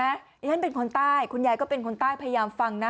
นี่ฉันเป็นคนใต้คุณยายก็เป็นคนใต้พยายามฟังนะ